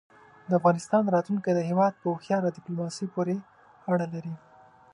د افغانستان راتلونکی د هېواد په هوښیاره دیپلوماسۍ پورې اړه لري.